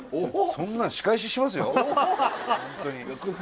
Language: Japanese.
そんなん仕返ししますよおっ